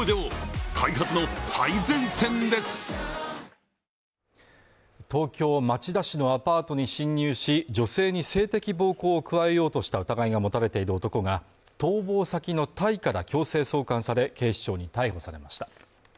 わかるぞ東京町田市のアパートに侵入し、女性に性的暴行を加えようとした疑いが持たれている男が、逃亡先のタイから強制送還され、警視庁に逮捕されました。